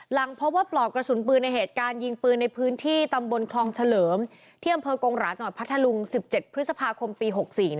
หลังพบว่าปลอกกระสุนปืนในเหตุการณ์ยิงปืนในพื้นที่ตำบลคลองเฉลิมที่อำเภอกงหราจังหวัดพัทธลุง๑๗พฤษภาคมปี๖๔